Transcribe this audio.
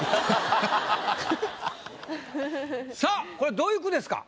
さぁこれどういう句ですか？